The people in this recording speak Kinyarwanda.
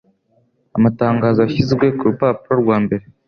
Amatangazo yashyizwe kurupapuro rwa mbere.